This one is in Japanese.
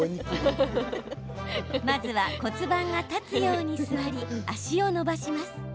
まずは、骨盤が立つように座り脚を伸ばします。